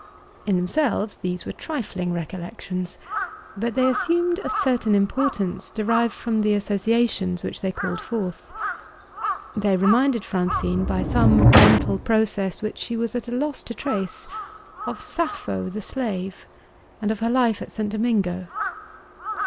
In themselves, these were trifling recollections. But they assumed a certain importance, derived from the associations which they called forth. They reminded Francine, by some mental process which she was at a loss to trace, of Sappho the slave, and of her life at St. Domingo.